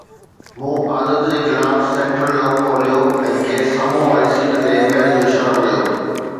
مون عادت جي خلاف سينٽرل لاڪ کوليو ۽ کيس سامهون واري سيٽ تي ويهڻ جو اشارو ڪيو